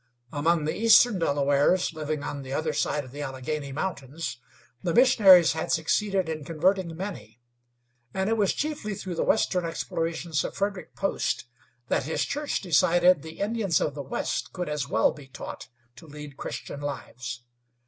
Among the eastern Delawares, living on the other side of the Allegheny Mountains, the missionaries had succeeded in converting many; and it was chiefly through the western explorations of Frederick Post that his Church decided the Indians of the west could as well be taught to lead Christian lives.